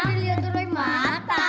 tidak bisa dilihat oleh mata